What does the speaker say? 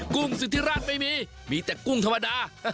กุ้งสุธิราชไม่มีมีแต่กุ้งธรรมดา